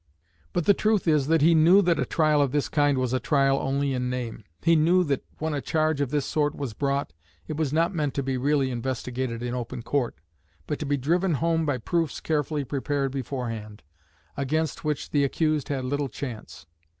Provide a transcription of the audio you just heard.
But the truth is that he knew that a trial of this kind was a trial only in name. He knew that, when a charge of this sort was brought, it was not meant to be really investigated in open court, but to be driven home by proofs carefully prepared beforehand, against which the accused had little chance.